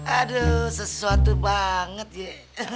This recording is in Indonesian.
aduh sesuatu banget ye